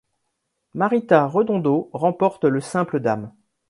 Marita Redondo remporte le simple dames.